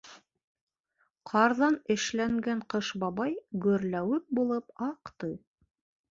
Ҡарҙан эшләнгән Ҡыш бабай гөрләүек булып аҡты.